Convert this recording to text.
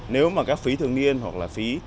nếu mà các phí thường nghiên hoặc là phí